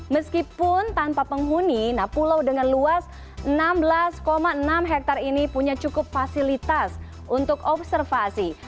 meskipun tanpa penghuni pulau dengan luas enam belas enam hektare ini punya cukup fasilitas untuk observasi